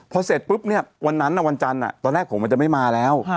พอเสร็จปุ๊บเนี่ยวันนั้นวันจันทร์ตอนแรกผมมันจะไม่มาแล้ว